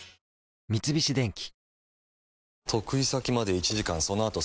三菱電機